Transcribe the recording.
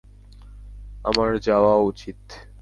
আমার যাওয়া উচিত।